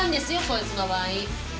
こいつの場合。